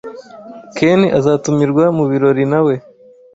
Ken azatumirwa mubirori na we.